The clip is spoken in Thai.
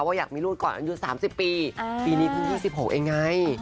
ว่าอยากมีลูกก่อนอายุ๓๐ปีปีนี้เพิ่ง๒๖เองไง